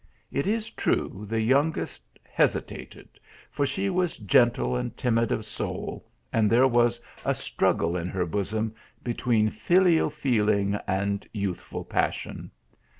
It is true, the youngest hesitated, for she was gentle and timid of soul, and there was a struggle In her bosom be tween filial feeling and youthful passion.